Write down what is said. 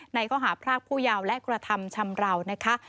ในข้อหาพรากผู้ยาวและกระทำชำราวนะคะ